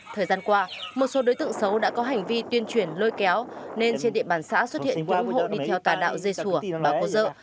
thời gian qua một số đối tượng xấu đã có hành vi tuyên truyền lôi kéo nên trên địa bàn xã xuất hiện những hộ đi theo tà đạo dây sùa bà cô dợ